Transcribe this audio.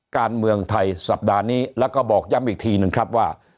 การเมืองไทยสัปดาห์นี้แล้วก็บอกย้ำอีกทีหนึ่งครับว่า